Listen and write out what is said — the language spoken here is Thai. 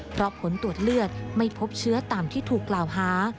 เพราะผลตรวจเลือดไม่พบเชื้อตามที่ถูกกล่าวหา